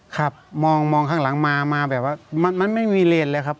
ครับมองข้างหลังมามันไม่มีเลนส์เลยครับ